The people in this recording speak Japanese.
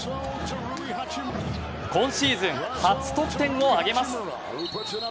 今シーズン初得点を挙げます。